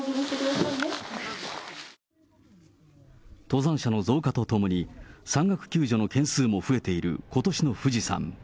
登山者の増加とともに、山岳救助の件数も増えていることしの富士山。